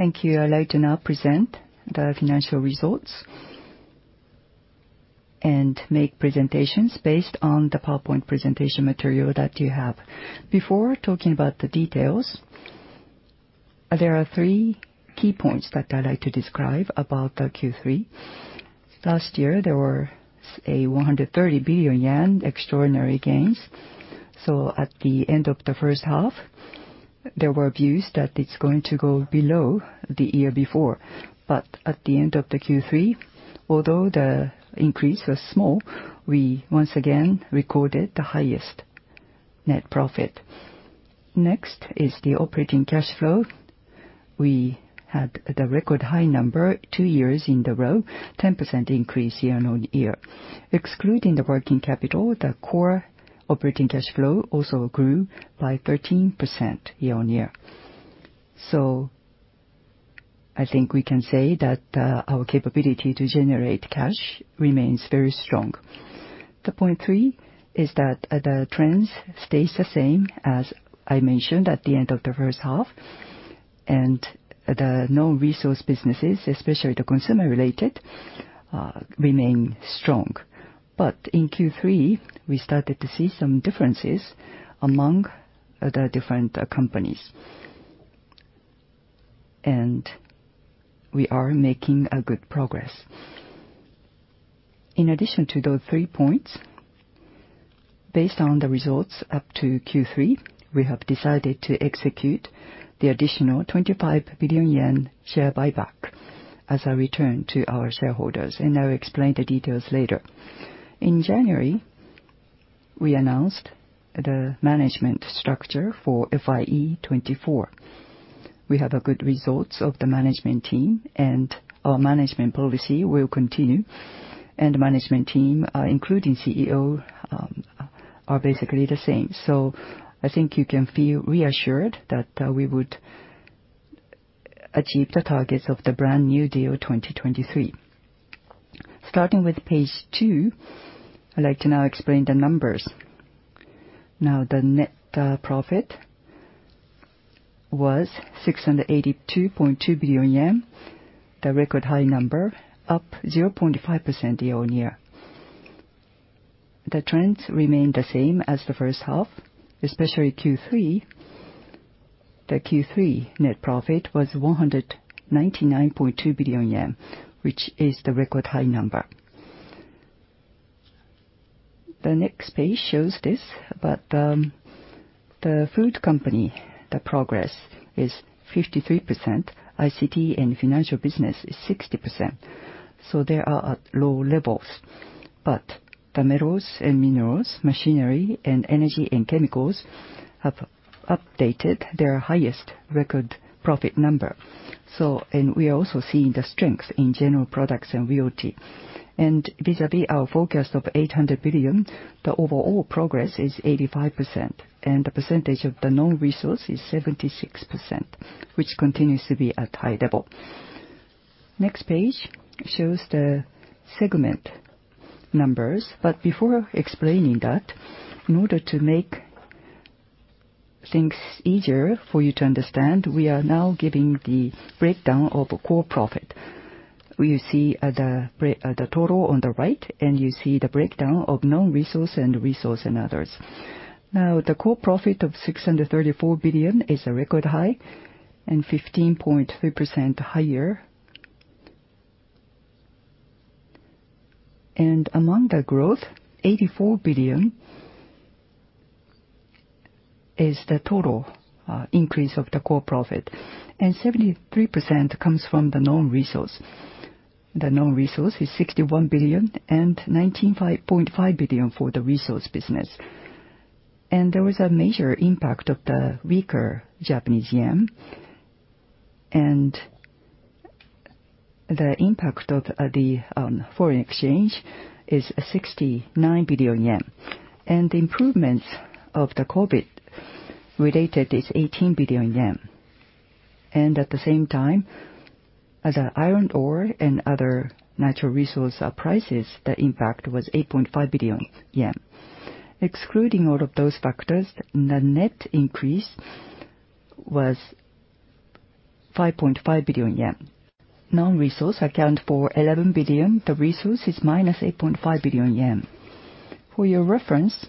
Thank you. I'd like to now present the financial results and make presentations based on the PowerPoint presentation material that you have. Before talking about the details, there are three key points that I'd like to describe about the Q3. Last year, there were 130 billion yen extraordinary gains. At the end of the first half, there were views that it's going to go below the year before. At the end of the Q3, although the increase was small, we once again recorded the highest net profit. Next is the operating cash flow. We had the record high number two years in the row, 10% increase year-on-year. Excluding the working capital, the Core operating cash flow also grew by 13% year-on-year. I think we can say that our capability to generate cash remains very strong. The point three is that the trends stays the same as I mentioned at the end of the first half, and the non-resource businesses, especially the consumer related, remain strong. In Q3, we started to see some differences among the different companies. We are making a good progress. In addition to those three points, based on the results up to Q3, we have decided to execute the additional 25 billion yen share buyback as a return to our shareholders. I'll explain the details later. In January, we announced the management structure for FYE24. We have a good results of the management team. Our management policy will continue. Management team, including CEO, are basically the same. I think you can feel reassured that we would achieve the targets of the Brand-new Deal 2023. Starting with page two, I'd like to now explain the numbers. The net profit was 682.2 billion yen, the record high number up 0.5% year-on-year. The trends remain the same as the first half, especially Q3. The Q3 net profit was 199.2 billion yen, which is the record high number. The next page shows this, the food company, the progress is 53%. ICT and financial business is 60%, they are at low levels. The metals and minerals, machinery, and energy and chemicals have updated their highest record profit number. We are also seeing the strength in general products and Realty. Vis-à-vis our forecast of 800 billion, the overall progress is 85%, and the percentage of the non-resource is 76%, which continues to be at high level. Next page shows the segment numbers. Before explaining that, in order to make things easier for you to understand, we are now giving the breakdown of the core profit. You see the total on the right, and you see the breakdown of non-resource and resource and others. The core profit of 634 billion is a record high and 15.3% higher. Among the growth, 84 billion is the total increase of the core profit, and 73% comes from the non-resource. The non-resource is 61 billion and 19.5 billion for the resource business. There was a major impact of the weaker Japanese yen, the impact of the foreign exchange is 69 billion yen. The improvements of the COVID related is 18 billion yen. At the same time, the iron ore and other natural resource prices, the impact was 8.5 billion yen. Excluding all of those factors, the net increase was 5.5 billion yen. Non-resource account for 11 billion. The resource is minus 8.5 billion yen. For your reference,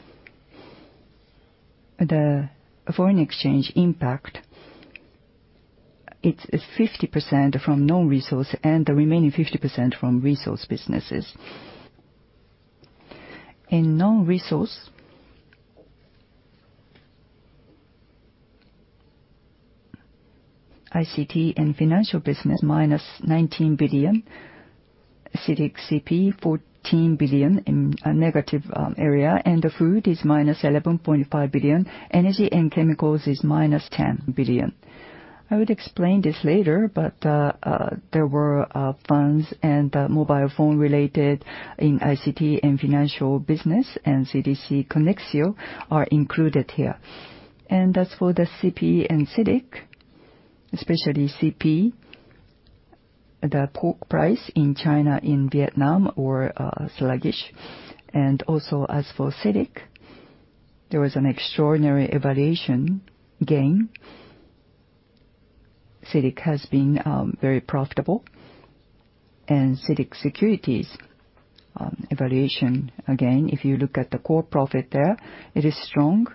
the foreign exchange impact, it's 50% from non-resource and the remaining 50% from resource businesses. In non-resource, ICT and financial business, minus 19 billion. CITIC CP, 14 billion in a negative area, and the food is minus 11.5 billion. Energy and chemicals is minus 10 billion. I would explain this later, but there were funds and mobile phone related in ICT and financial business, and Conexio Corporation are included here. As for the CP and CITIC, especially CP. The pork price in China and Vietnam were sluggish. Also, as for CITIC, there was an extraordinary evaluation gain. CITIC has been very profitable. CITIC Securities, evaluation gain, if you look at the core profit there, it is strong.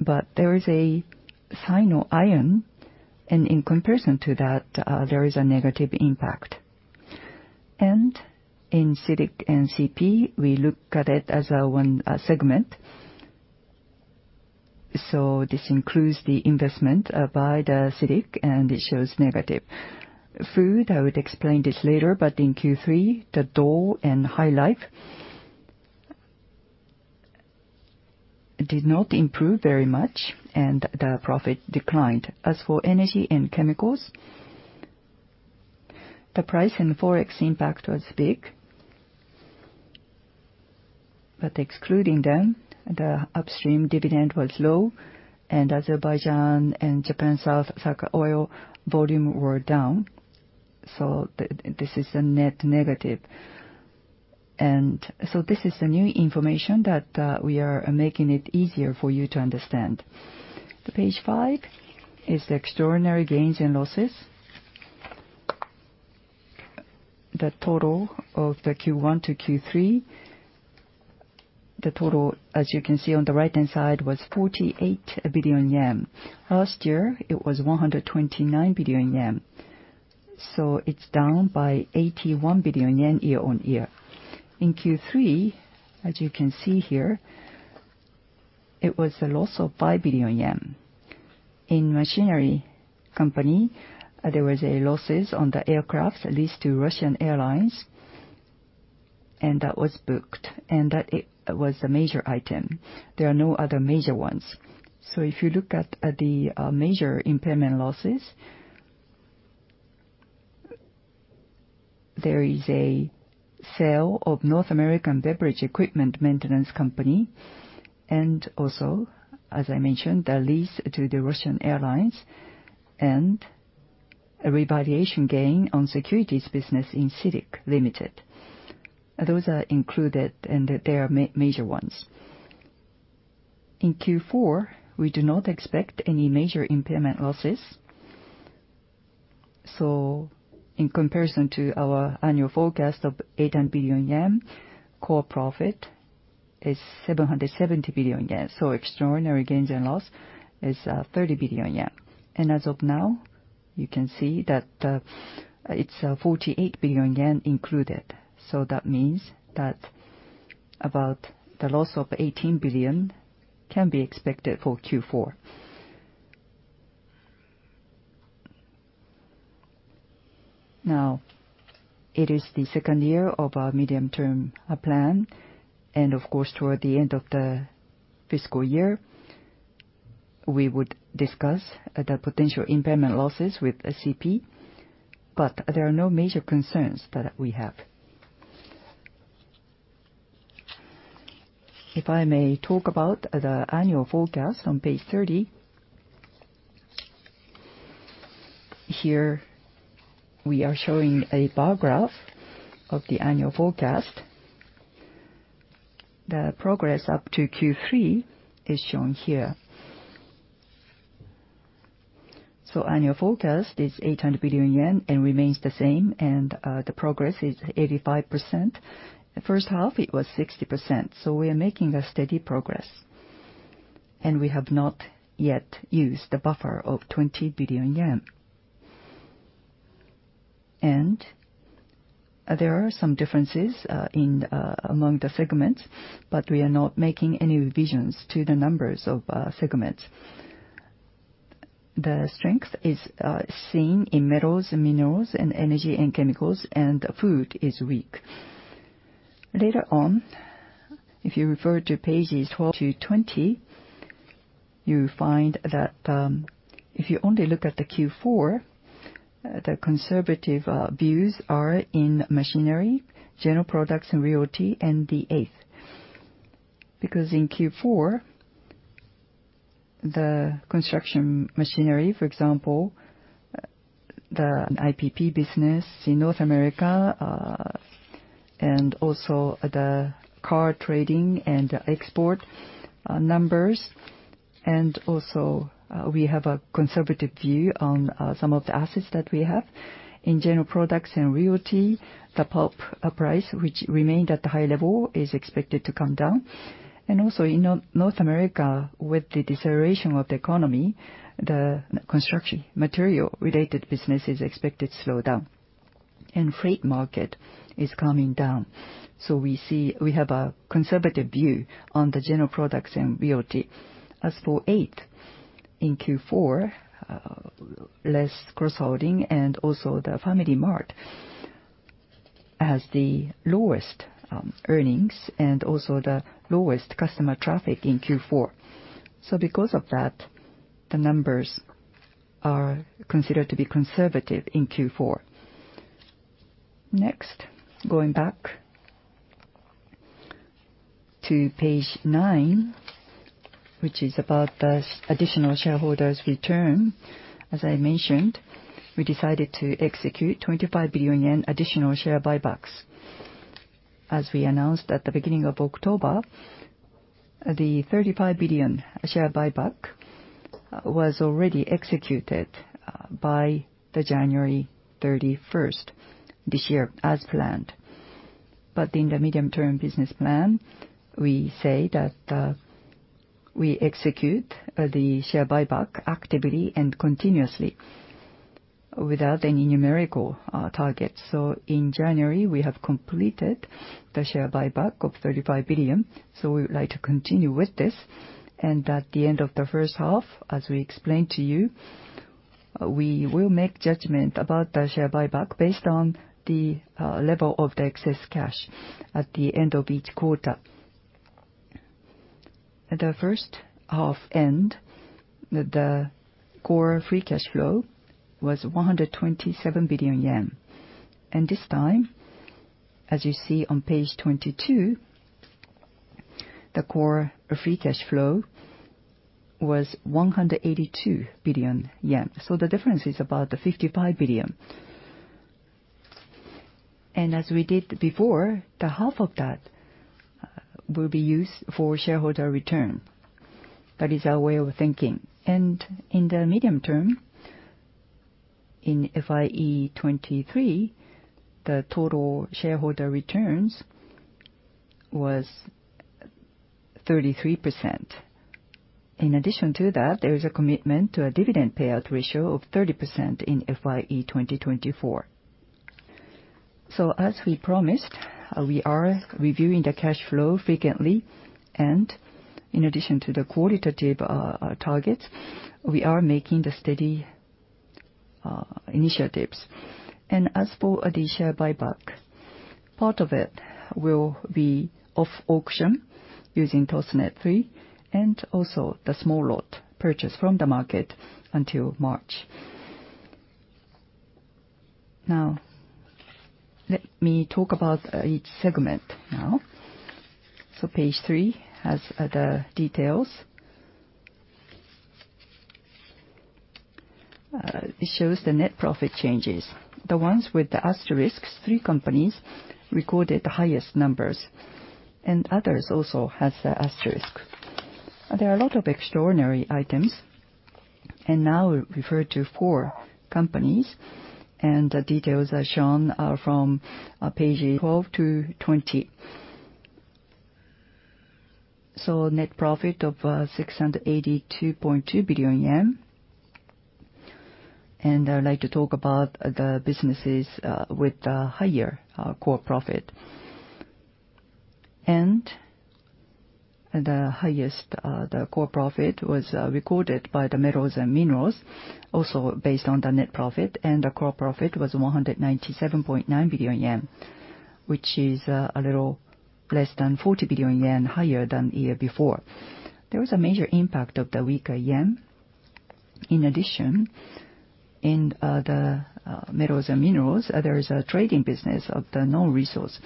There is a Sino Iron, and in comparison to that, there is a negative impact. In CITIC and CP, we look at it as one segment. This includes the investment by the CITIC, and it shows negative. Food, I would explain this later, but in Q3, the Dole and HyLife did not improve very much, and the profit declined. As for Energy and Chemicals, the price and Forex impact was big. Excluding them, the upstream dividend was low, and Azerbaijan and Japan Sakhalin oil volume were down. This is a net negative. This is the new information that we are making it easier for you to understand. The page 5 is Extraordinary Gains and Losses. The total of the Q1 to Q3, as you can see on the right-hand side, was 48 billion yen. Last year, it was 129 billion yen, so it's down by 81 billion yen year-on-year. In Q3, as you can see here, it was a loss of 5 billion yen. In Machinery company, there was losses on the aircrafts, at least to Russian airlines, and that was booked and that was the major item. There are no other major ones. If you look at the major impairment losses, there is a sale of North American Beverage Equipment Maintenance company, and also, as I mentioned, the lease to the Russian airlines and a revaluation gain on securities business in CITIC Limited. Those are included, and they are major ones. In Q4, we do not expect any major impairment losses. In comparison to our annual forecast of 800 billion yen, core profit is 770 billion yen. Extraordinary gains and loss is 30 billion yen. As of now, you can see that it's 48 billion yen included. That means that about the loss of 18 billion JPY can be expected for Q4. It is the second year of our medium-term plan. Of course, toward the end of the fiscal year, we would discuss the potential impairment losses with ACP, but there are no major concerns that we have. If I may talk about the annual forecast on page 30. Here, we are showing a bar graph of the annual forecast. The progress up to Q3 is shown here. Annual forecast is 800 billion yen and remains the same, and the progress is 85%. The first half, it was 60%, we are making a steady progress. We have not yet used the buffer of 20 billion yen. There are some differences in among the segments, but we are not making any revisions to the numbers of segments. The strength is seen in metals and minerals and energy and chemicals, and food is weak. Later on, if you refer to pages 12 to 20, you find that, if you only look at the Q4, the conservative views are in Machinery, General Products & Realty, and The 8th. Because in Q4, the construction machinery, for example, the IPP business in North America, and the car trading and export numbers. We have a conservative view on some of the assets that we have. In General Products & Realty, the pulp price, which remained at the high level, is expected to come down. In North America, with the deceleration of the economy, the construction material related business is expected to slow down. Freight market is coming down. We see we have a conservative view on the General Products & Realty. The 8th, in Q4, less cross-holding and also the FamilyMart has the lowest earnings and also the lowest customer traffic in Q4. The numbers are considered to be conservative in Q4. Going back to page nine, which is about the additional shareholders' return. As I mentioned, we decided to execute 25 billion yen in additional share buybacks. As we announced at the beginning of October, the 35 billion share buyback was already executed by the January 31st this year as planned. In the medium-term business plan, we say that we execute the share buyback actively and continuously without any numerical targets. In January, we have completed the share buyback of 35 billion, we would like to continue with this. At the end of the first half, as we explained to you, we will make judgment about the share buyback based on the level of the excess cash at the end of each quarter. At the first half end, the Core free cashflow was 127 billion yen. This time, as you see on page 22, the Core free cashflow was 182 billion yen. The difference is about 55 billion. As we did before, the half of that will be used for shareholder return. That is our way of thinking. In the medium term, in FYE23, the total shareholder returns was 33%. In addition to that, there is a commitment to a dividend payout ratio of 30% in FYE2024. As we promised, we are reviewing the cashflow frequently, and in addition to the qualitative targets, we are making the steady initiatives. As for the share buyback, part of it will be off auction using ToSTNeT-3, and also the small lot purchase from the market until March. Now, let me talk about each segment now. Page three has the details. It shows the net profit changes. The ones with the asterisks, three companies recorded the highest numbers, and others also has the asterisk. There are a lot of extraordinary items, and now we refer to four companies, and the details are shown from page 12 to 20. Net profit of 682.2 billion yen. I would like to talk about the businesses with the higher Core profit. The highest Core profit was recorded by the Metals and Minerals, also based on the net profit. The Core profit was 197.9 billion yen, which is a little less than 40 billion yen higher than the year before. There was a major impact of the weaker yen. In addition, in the Metals and Minerals, there is a trading business of the non-resource.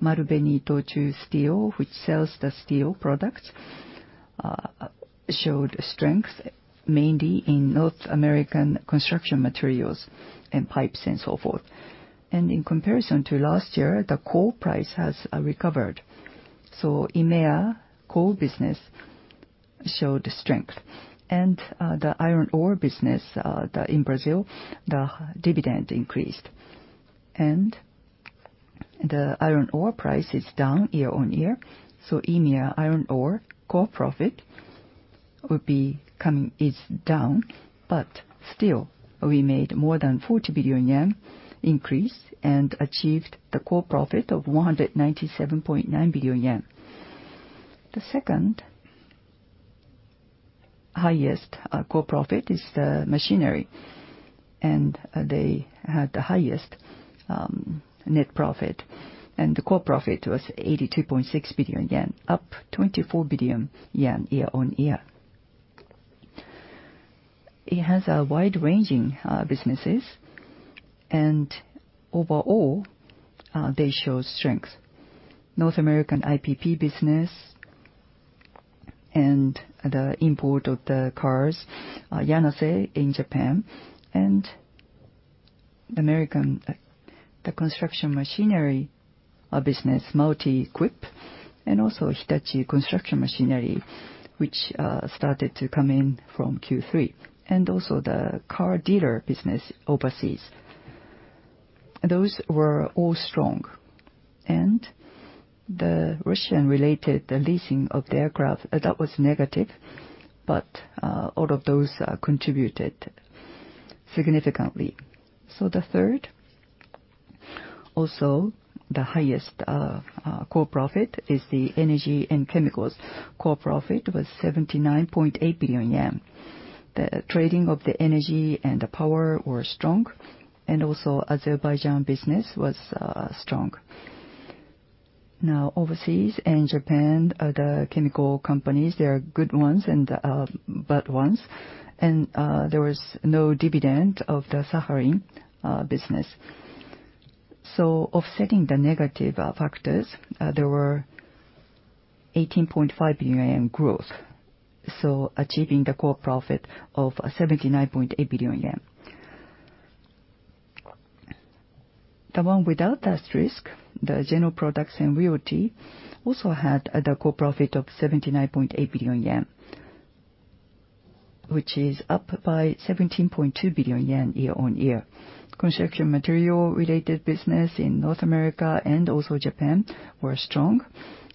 Marubeni-Itochu Steel, which sells the steel products, showed strength mainly in North American construction materials and pipes and so forth. In comparison to last year, the coal price has recovered. EMEA coal business showed strength. The iron ore business, in Brazil, the dividend increased. The iron ore price is down year-on-year, so EMEA iron ore core profit will be coming, is down. But still, we made more than 40 billion yen increase and achieved the core profit of 197.9 billion yen. The second highest core profit is the machinery. They had the highest net profit, and the core profit was 82.6 billion yen, up 24 billion yen year-on-year. It has a wide-ranging businesses, and overall, they show strength. North American IPP business and the import of the cars, Yanase in Japan, and American the construction machinery business, Multiquip, and also Hitachi Construction Machinery, which started to come in from Q3, and also the car dealer business overseas. Those were all strong. The Russian-related, the leasing of the aircraft, that was negative, but all of those contributed significantly. The third, also the highest, Core profit is the energy and chemicals. Core profit was 79.8 billion yen. The trading of the energy and the power were strong, and also Azerbaijan business was strong. Now overseas and Japan. The chemical companies, they are good ones and bad ones. There was no dividend of the Sakhalin business. Offsetting the negative factors, there were 18.5 billion yen growth, so achieving the Core profit of 79.8 billion yen. The one without asterisk, the general products and realty also had the Core profit of 79.8 billion yen, which is up by 17.2 billion yen year-on-year. Construction material related business in North America and also Japan were strong.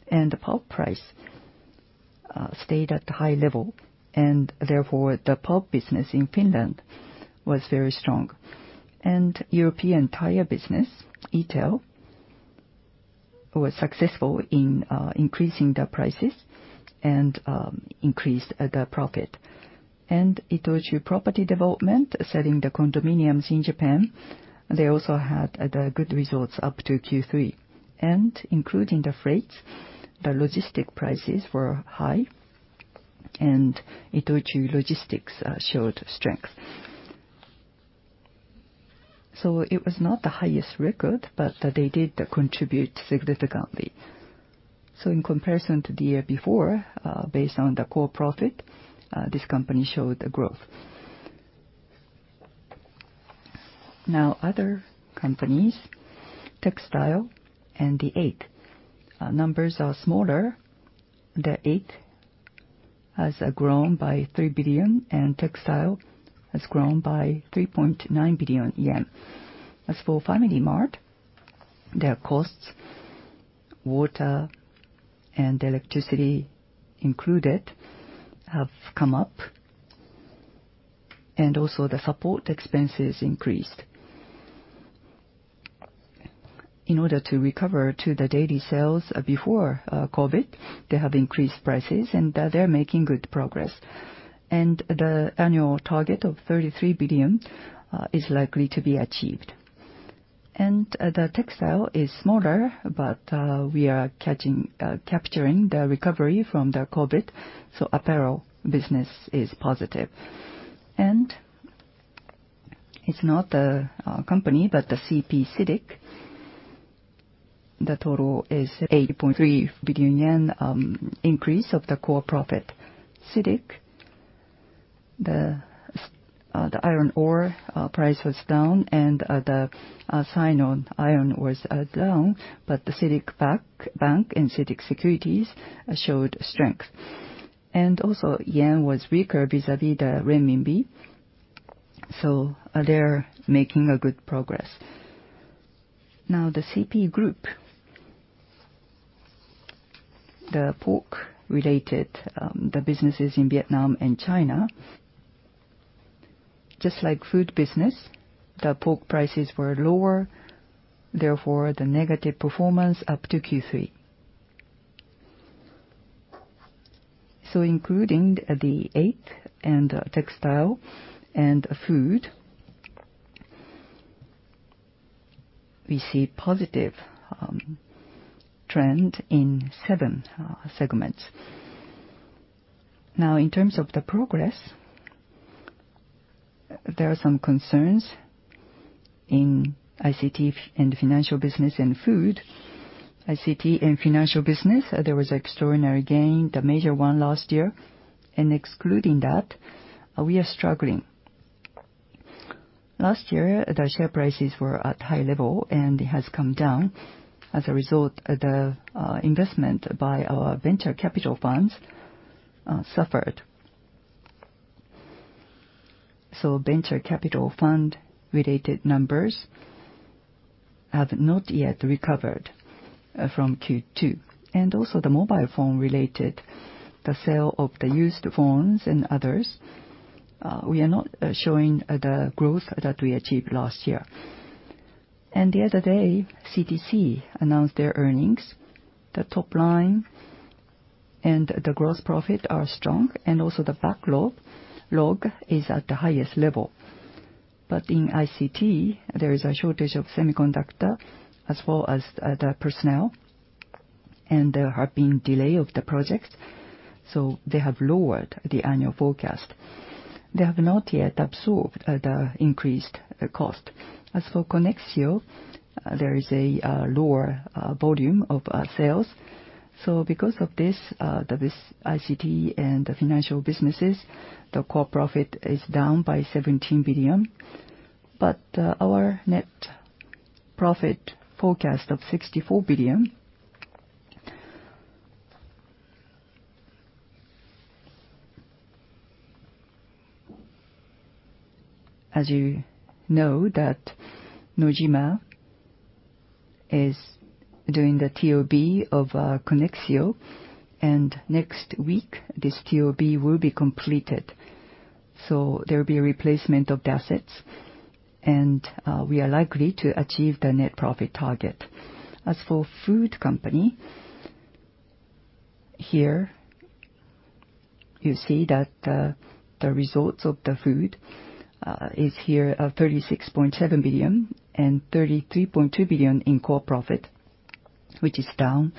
The pulp price stayed at high level, and therefore the pulp business in Finland was very strong. European tire business, ETEL, was successful in increasing the prices and increased the profit. ITOCHU Property Development, Ltd. selling the condominiums in Japan, they also had the good results up to Q3. Including the freights, the logistic prices were high and ITOCHU Logistics Corp. showed strength. It was not the highest record, but they did contribute significantly. In comparison to the year before, based on the Core profit, this company showed a growth. Other companies, Textile and The 8th Company, numbers are smaller. The 8th Company has grown by 3 billion and Textile has grown by 3.9 billion yen. As for FamilyMart, their costs, water and electricity included, have come up. Also the support expenses increased. In order to recover to the daily sales before COVID, they have increased prices, and they're making good progress. The annual target of 33 billion is likely to be achieved. The Textile is smaller, but we are capturing the recovery from the COVID, so apparel business is positive. It's not the company, but the CP CITIC, the total is 80.3 billion yen increase of the Core profit. CITIC, the iron ore price was down and Sino Iron was down, but the CITIC Bank and CITIC Securities showed strength. Also yen was weaker vis-à-vis the renminbi, so they're making a good progress. Now the CP Group. The pork related, the businesses in Vietnam and China, just like food business, the pork prices were lower, therefore the negative performance up to Q3. Including The 8th Company and Textile and Food, we see positive trend in seven segments. In terms of the progress, there are some concerns in ICT and financial business and food. ICT and financial business, there was extraordinary gain, the major one last year. Excluding that, we are struggling. Last year, the share prices were at high level and it has come down. As a result, the investment by our venture capital funds suffered. Venture capital fund related numbers have not yet recovered from Q2. Also the mobile phone related, the sale of the used phones and others, we are not showing the growth that we achieved last year. The other day, CITIC announced their earnings. The top line and the gross profit are strong, and also the backlog is at the highest level. In ICT there is a shortage of semiconductor as well as other personnel, and there have been delay of the projects, so they have lowered the annual forecast. They have not yet absorbed the increased cost. As for Conexio, there is a lower volume of sales. Because of this ICT and the financial businesses, the core profit is down by 17 billion. Our net profit forecast of 64 billion... As you know that Nojima is doing the TOB of Conexio, and next week this TOB will be completed. There will be a replacement of the assets and we are likely to achieve the net profit target. As for food company here. You see that the results of the food is here, 36.7 billion and 33.2 billion in Core profit, which is down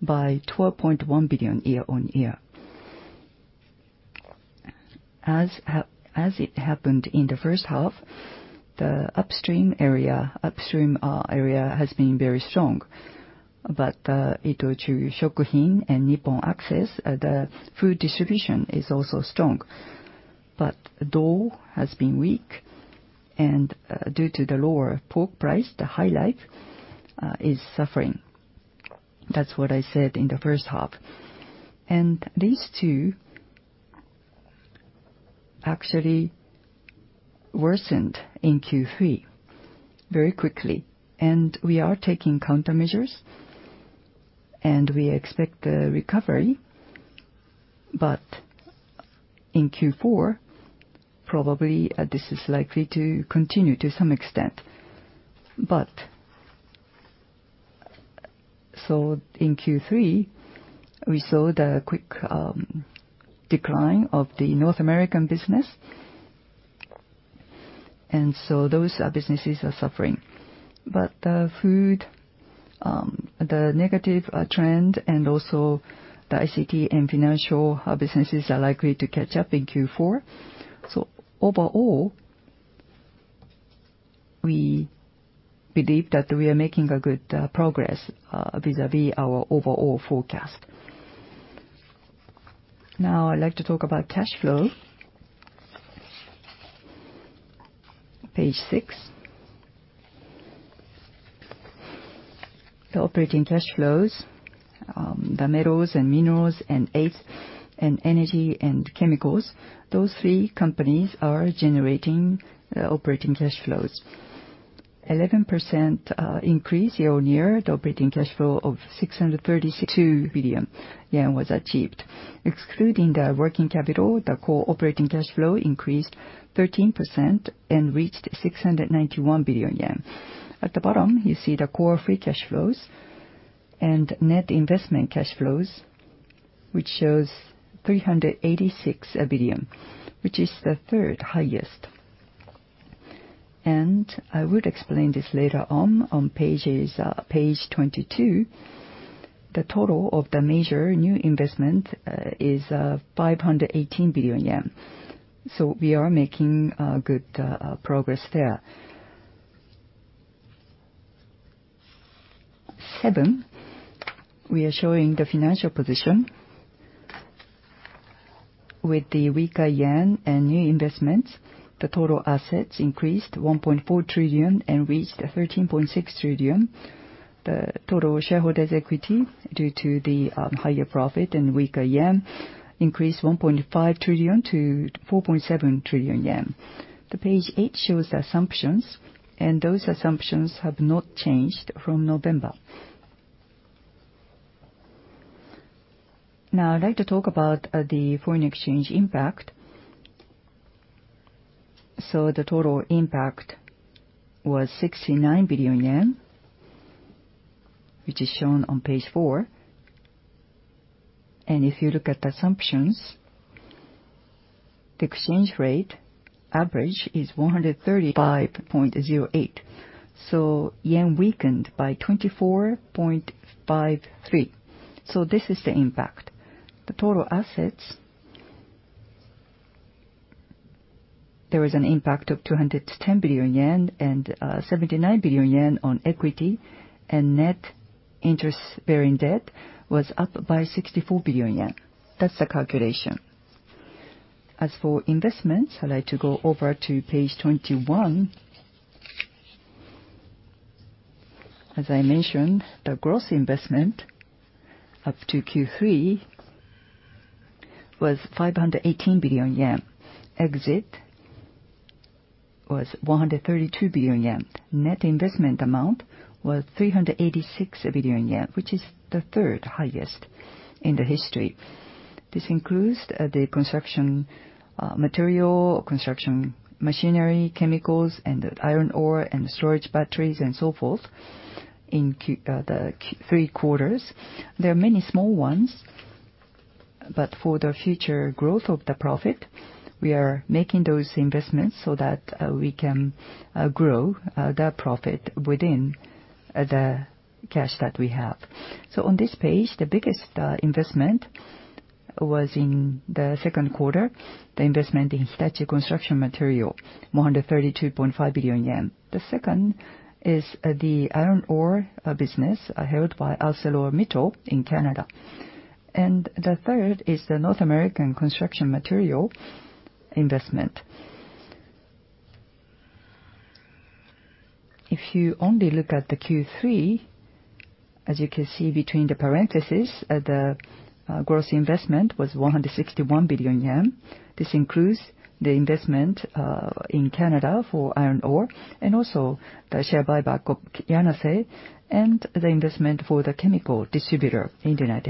by 12.1 billion year-on-year. As it happened in the first half, the upstream area, upstream area has been very strong. ITOCHU-SHOKUHIN and NIPPON ACCESS, the food distribution is also strong. Dole has been weak, and due to the lower pork price, HyLife is suffering. That's what I said in the first half. These two actually worsened in Q3 very quickly. We are taking countermeasures, and we expect a recovery. In Q4, probably, this is likely to continue to some extent. In Q3, we saw the quick decline of the North American business. Those businesses are suffering. Food, the negative trend and also the ICT and financial businesses are likely to catch up in Q4. Overall, we believe that we are making good progress vis-à-vis our overall forecast. Now I'd like to talk about cash flow. Page six. The operating cash flows, the metals and minerals and and energy and chemicals, those three companies are generating operating cash flows. 11% increase year-on-year, the operating cash flow of 632 billion yen was achieved. Excluding the working capital, the Core operating cash flow increased 13% and reached 691 billion yen. At the bottom, you see the Core free cash flows and net investment cash flows, which shows 386 billion, which is the third highest. I would explain this later on pages, page 22, the total of the major new investment is 518 billion yen. We are making good progress there. seven, we are showing the financial position. With the weaker yen and new investments, the total assets increased 1.4 trillion and reached 13.6 trillion. The total shareholders' equity, due to the higher profit and weaker yen, increased 1.5 trillion to 4.7 trillion yen. The page eight shows the assumptions. Those assumptions have not changed from November. Now I'd like to talk about the foreign exchange impact. The total impact was 69 billion yen, which is shown on page four. If you look at the assumptions, the exchange rate average is 135.08. JPY weakened by 24.53. This is the impact. The total assets, there is an impact of 210 billion yen and 79 billion yen on equity. Net interest bearing debt was up by 64 billion yen. That's the calculation. As for investments, I'd like to go over to page 21. As I mentioned, the gross investment up to Q3 was 518 billion yen. Exit was 132 billion yen. Net investment amount was 386 billion yen, which is the third highest in the history. This includes the construction material, construction machinery, chemicals, and iron ore and storage batteries and so forth in the three quarters. There are many small ones, but for the future growth of the profit, we are making those investments so that we can grow the profit within the cash that we have. On this page, the biggest investment was in the second quarter, the investment in [TC] construction material, 132.5 billion yen. The second is the iron ore business held by ArcelorMittal in Canada. The third is the North American construction material investment. If you only look at the Q3, as you can see between the parentheses, the gross investment was 161 billion yen. This includes the investment in Canada for iron ore and also the share buyback of Yanase and the investment for the chemical distributor in the United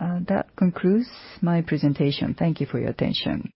States. That concludes my presentation. Thank you for your attention.